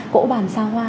cổ bàn xa hoa